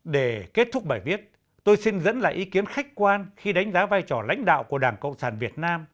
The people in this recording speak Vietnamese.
để kết thúc bài viết tôi xin dẫn lại ý kiến khách quan khi đánh giá vai trò lãnh đạo của đảng cộng sản việt nam